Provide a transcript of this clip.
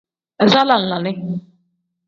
Iza lalaani.